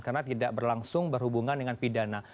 karena tidak berlangsung berhubungan dengan pidana